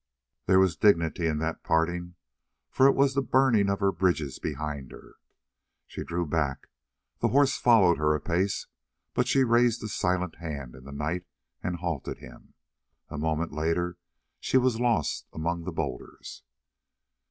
There was a dignity in that parting, for it was the burning of her bridges behind her. She drew back, the horse followed her a pace, but she raised a silent hand in the night and halted him; a moment later she was lost among the boulders.